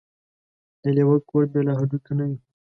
ـ د لېوه کور بې له هډوکو نه وي.